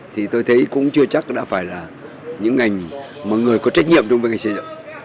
thì tôi thấy cũng chưa chắc đã phải là những ngành mà người có trách nhiệm đối với ngành xây dựng